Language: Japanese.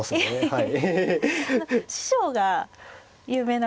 はい。